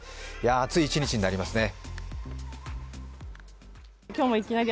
暑い一日になりますね。